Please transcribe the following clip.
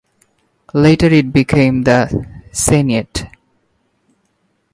Later it became the sainete.